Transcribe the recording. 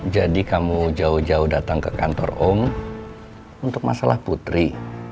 jadi kamu jauh jauh datang ke kantor om untuk masalah putri